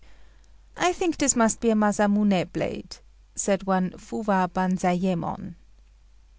"I think this must be a Masamuné blade," said one Fuwa Banzayémon.